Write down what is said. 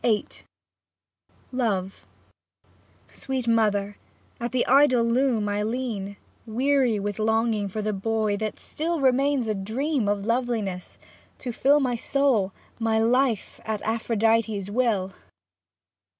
26 Vlll LOVE Sweet mother, at the idle loom I lean, Weary with longing for the boy that still Remains a dream of loveliness — to fill My soul, my life, at Aphrodite's will.